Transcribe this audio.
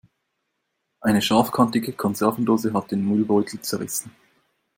Eine scharfkantige Konservendose hat den Müllbeutel zerrissen.